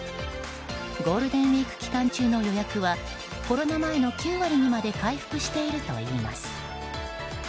ゴールデンウィーク期間中の予約はコロナ前の９割にまで回復しているといいます。